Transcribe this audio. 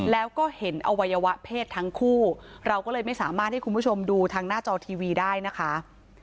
แล้วก็เห็นอวัยวะเพศทั้งคู่เราก็เลยไม่สามารถให้คุณผู้ชมดูทางหน้าจอทีวีได้นะคะ